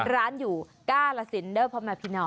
ร้านอยู่กล้าละสินเริ่มพร้อมมาพี่นอก